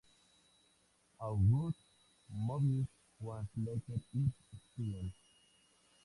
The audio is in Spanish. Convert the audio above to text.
August Möbius was later his student.